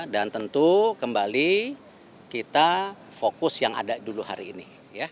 dan tentu kembali kita fokus yang ada dulu hari ini